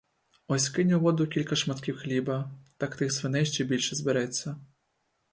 Ось кинь у воду кільки шматків хліба, так тих свиней ще більше збереться.